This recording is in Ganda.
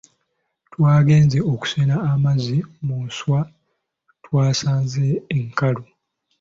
Twagenze okusena amazzi mu nsuwa twasanze nkalu.